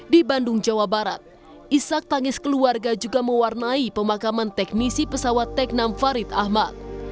di bandung jawa barat isak tangis keluarga juga mewarnai pemakaman teknisi pesawat teknam farid ahmad